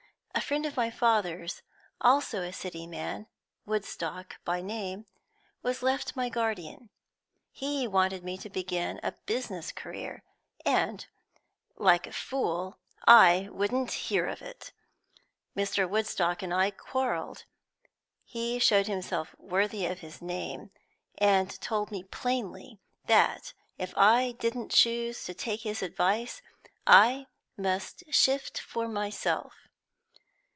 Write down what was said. A friend of my father's, also a city man, Woodstock by name, was left my guardian. He wanted me to begin a business career, and, like a fool, I wouldn't hear of it. Mr. Woodstock and I quarrelled; he showed himself worthy of his name, and told me plainly that, if I didn't choose to take his advice, I must shift for myself.